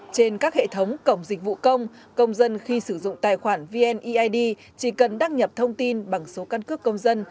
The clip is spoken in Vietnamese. trên các hệ thống cổng dịch vụ công công dân khi sử dụng tài khoản vneid chỉ cần đăng nhập thông tin bằng số căn cước công dân